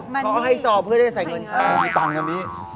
มีตังค์ในนี้